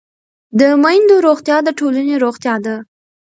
د میندو روغتیا د ټولنې روغتیا ده.